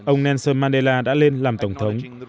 ông nelson mandela đã lên làm tổng thống